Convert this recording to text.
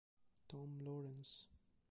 Tom Lawrence